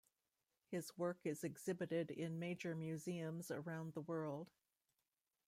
His work is exhibited in major museums around the world.